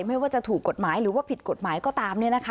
ไม่ว่าจะถูกกฎหมายหรือว่าผิดกฎหมายก็ตาม